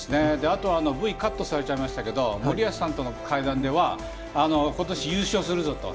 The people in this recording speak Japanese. あとはＶカットされちゃいましたけど森保さんとの対談では今年優勝するぞと。